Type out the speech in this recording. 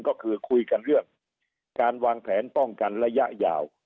ก็คือคุยกันเรื่องการวางแผนป้องกันระยะยาว